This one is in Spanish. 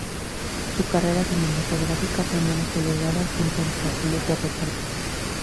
Su carrera cinematográfica fue menos celebrada, siempre en papeles de reparto.